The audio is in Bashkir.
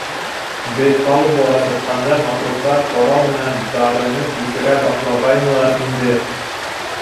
Беҙ палубаға сыҡҡанда матростар ҡорал менән дарыны күсерә башлағайнылар инде.